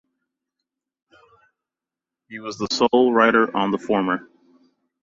He was the sole writer on the former.